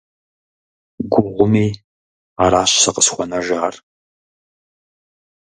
Гугъуми, аращ сэ къысхуэнэжар.